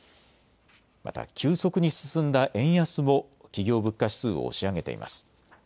また急速に進んだ円安も企業物価指数を押し上げています。